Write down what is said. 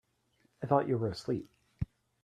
I thought you were asleep.